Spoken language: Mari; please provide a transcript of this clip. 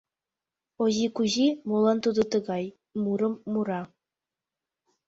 Ози Кузи «Молан тудо тыгай» мурым мура.